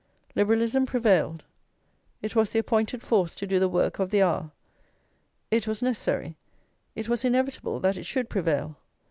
Liberalism prevailed; it was the appointed force to do the work of the hour; it was necessary, it was inevitable that it should prevail.